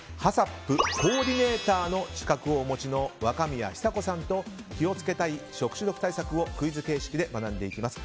ＨＡＣＣＰコーディネーターの資格をお持ちの若宮寿子さんと気を付けたい食中毒対策をクイズ形式で学んでいきます。